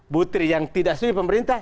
putri yang tidak setuju pemerintah